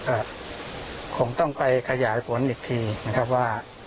ก็คงต้องไปขยายผลอีกทีนะครับว่า